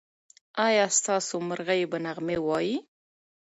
ایا ستاسو مرغۍ به نغمې وايي؟